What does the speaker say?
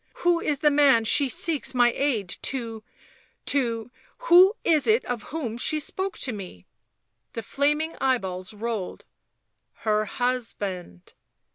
*' Who is the man she seeks my aid to ... to ... who is it of whom she spoke to me?" The flaming eyeballs rolled. " Her husband."